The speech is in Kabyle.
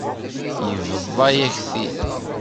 Yebḍa-yak-t-id.